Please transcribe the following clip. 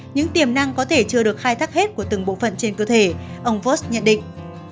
những tiềm năng có thể chưa được khai thác hết của từng bộ phận trên cơ thể ông vost nhận định